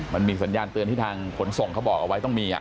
มันมีสัญญาณเตือนที่ทางขนส่งเขาบอกเอาไว้ต้องมี